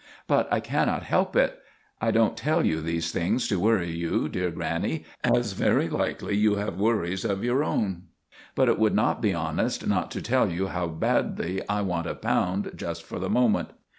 But I cannot help it. I don't tell you these things to worry you, dear grannie, as very likely you have worries of your own; but it would not be honest not to tell you how very badly I want a pound just for the moment.